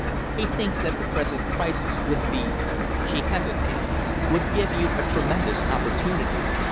He thinks that the present crisis would be" she hesitated "would give you a tremendous opportunity.